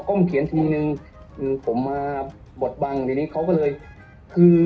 ้มเขียนทีนึงคือผมมาบดบังเดี๋ยวนี้เขาก็เลยคือ